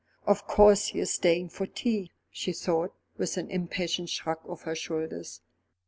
"Of course he is staying for tea," she thought, with an impatient shrug of her shoulders.